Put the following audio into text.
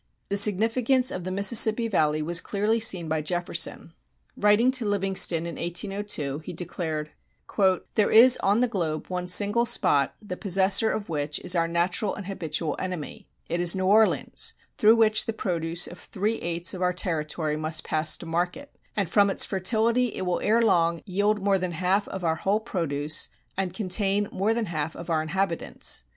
The significance of the Mississippi Valley was clearly seen by Jefferson. Writing to Livingston in 1802 he declared: There is on the globe one single spot, the possessor of which is our natural and habitual enemy. It is New Orleans, through which the produce of three eights of our territory must pass to market, and from its fertility it will ere long yield more than half of our whole produce and contain more than half of our inhabitants.